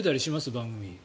番組。